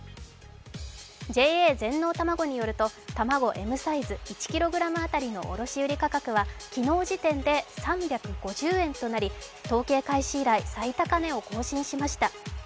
ＪＡ全農たまごによると卵Ｍサイズ１ｋｇの卸売価格は昨日時点で３５０円となり、統計開始以来、最高値を更新しました。